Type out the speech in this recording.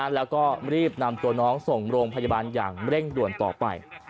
แล้วก็รีบนำตัวน้องส่งโรงพยาบาลอย่างเร่งด่วนต่อไป